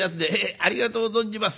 ありがとう存じます」。